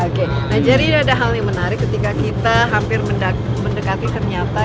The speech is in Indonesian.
oke nah jadi ada hal yang menarik ketika kita hampir mendekati ternyata